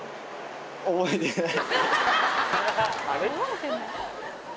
覚えてない。